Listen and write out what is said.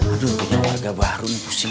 aduh kayaknya warga baru nih pusing